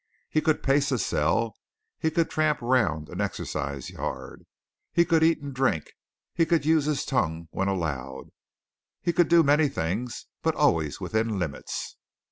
He could pace a cell, he could tramp round an exercise yard, he could eat and drink, he could use his tongue when allowed, he could do many things but always within limits.